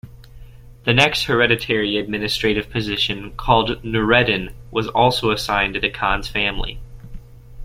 The next hereditary administrative position, called "Nureddin," was also assigned to the khan's family.